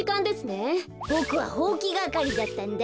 ボクはほうきがかりだったんだ。